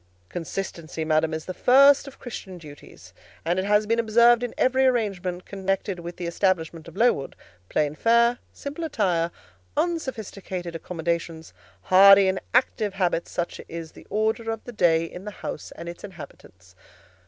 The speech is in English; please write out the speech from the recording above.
"Consistency, madam, is the first of Christian duties; and it has been observed in every arrangement connected with the establishment of Lowood: plain fare, simple attire, unsophisticated accommodations, hardy and active habits; such is the order of the day in the house and its inhabitants."